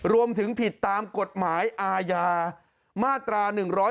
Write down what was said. รวมถึงผิดตามกฎหมายอาญามาตรา๑๑๒